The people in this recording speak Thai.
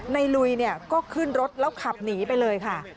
ลุยก็ขึ้นรถแล้วขับหนีไปเลยค่ะ